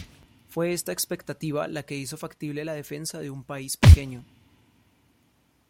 Fue esta expectativa la que hizo factible la defensa de un país pequeño.